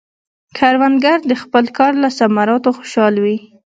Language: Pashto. کروندګر د خپل کار له ثمراتو خوشحال وي